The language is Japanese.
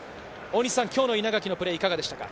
今日の稲垣のプレー、いかがでしたか？